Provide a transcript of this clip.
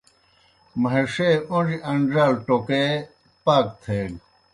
مہِݜے اون٘ڙِیْ ان٘ڙال ٹوکے پاک تھیگہ۔